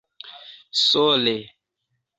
sole